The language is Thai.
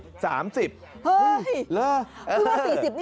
เฮ้ยเพราะว่า๔๐นี่ขายถูกแล้วนะ